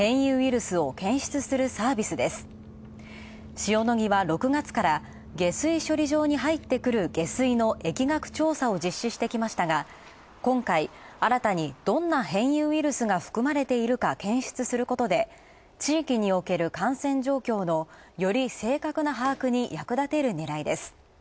塩野義は６月から下水処理場に入ってくる下水の疫学調査を実施してきましたが、どんな変異ウイルスが含まれているか検出することで、地域における感染状況の、より正確な把握に役立てる狙いです。